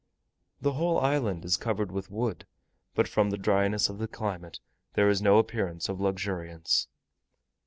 The whole island is covered with wood; but from the dryness of the climate there is no appearance of luxuriance.